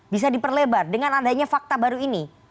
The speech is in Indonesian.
bisa diperlebar dengan adanya fakta baru ini